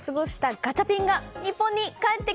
ガチャピン！